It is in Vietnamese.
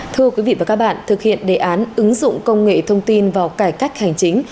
thưa quý vị và các bạn thực hiện đề án ứng dụng công nghệ thông tin vào cải cách hành chính